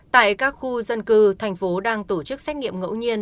tại các khu dân cư tp hcm đang tổ chức xét nghiệm ngẫu nhiên